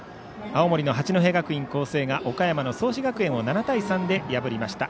青森の八戸学院光星が岡山の創志学園を７対３で破りました